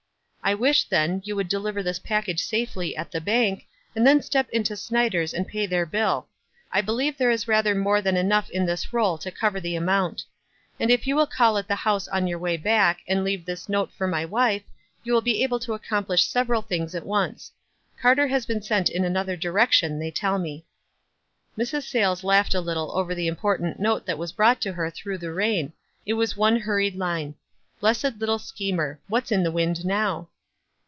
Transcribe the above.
" I wish, then, you would deliver this package safely at the bank, and then step into Snyder's and pay their bill. I believe there is rather more than enough in this roll to cover the amount. And if you will call at the house on your way back, and leave this note for my wife, you will be able to accomplish several things at once. Carter has been sent in another direc tion, they tell me." Mrs. Sayles laughed a little over the impor 90 WISE AND OTHERWISE. tant note that was brought her through, the rain. It was one hurried line : M Blessed little schem er ! What's in the wind now?"